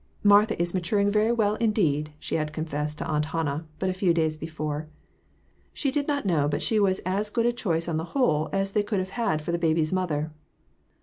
" Martha is maturing very well indeed," she had confessed to Aunt Hannah but a few days before ; she did not know but she was as good a choice on the whole as they could have had for the baby's mother!